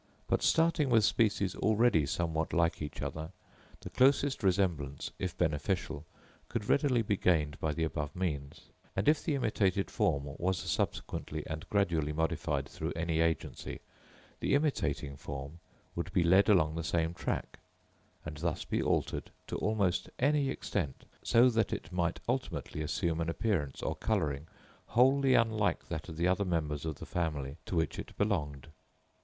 But, starting with species already somewhat like each other, the closest resemblance, if beneficial, could readily be gained by the above means, and if the imitated form was subsequently and gradually modified through any agency, the imitating form would be led along the same track, and thus be altered to almost any extent, so that it might ultimately assume an appearance or colouring wholly unlike that of the other members of the family to which it belonged.